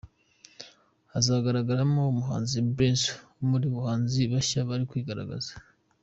Hazanagaragaramo umuhanzi Blamless we uri mu bahanzi bashya bari kwigaragaza.